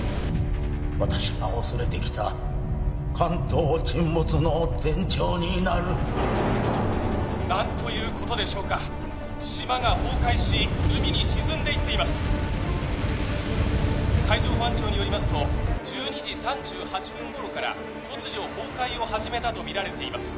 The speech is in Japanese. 私が恐れてきた関東沈没の前兆になる何ということでしょうか島が崩壊し海に沈んでいっています海上保安庁によりますと１２時３８分頃から突如崩壊を始めたとみられています